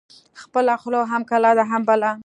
ـ خپله خوله هم کلا ده هم بلا ده.